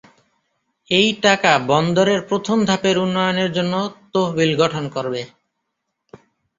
এই টাকা বন্দরের প্রথম ধাপের উন্নয়নের জন্য তহবিল গঠন করবে।